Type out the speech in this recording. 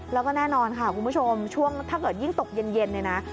แล้วก็แน่นอนค่ะคุณผู้ชมช่วงถ้าเกิดยิ่งตกเย็นเนี่ยนะ